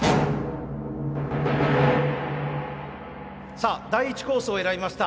さあ第１コースを選びました